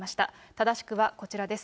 正しくはこちらです。